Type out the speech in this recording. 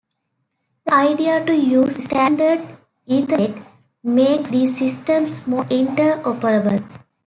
The idea to use standard Ethernet makes these systems more inter-operable.